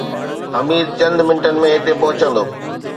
حميد چند منٽن ۾ هتي پهچندو